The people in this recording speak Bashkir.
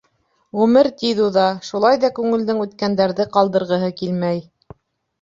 — Ғүмер тиҙ уҙа, шулай ҙа күңелдең үткәндәрҙе ҡалдырғыһы килмәй.